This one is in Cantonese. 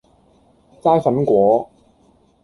齋粉果